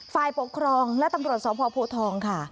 ฟายปกครองและตังรวจสวพพทองค่ะ